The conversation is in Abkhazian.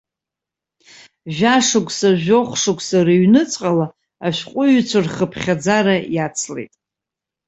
Жәашықәса, жәохәшықәса рыҩныҵҟала ашәҟәыҩҩцәа рхыԥхьаӡара иацлеит.